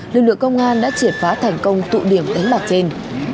lực lượng công an đã triệt phá thành công tụ điểm đánh bạc trên